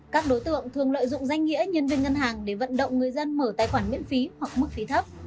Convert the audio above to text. các đối tượng thường lợi dụng danh nghĩa nhân viên ngân hàng để vận động người dân mở tài khoản miễn phí hoặc mức phí thấp